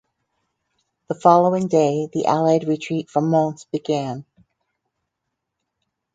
The following day the allied Retreat from Mons began.